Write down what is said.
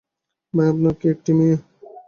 ভাই, আপনার কি একটিই মেয়ে?